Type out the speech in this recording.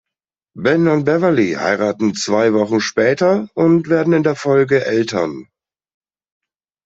Ben und Beverly heiraten zwei Wochen später und werden in der Folge Eltern.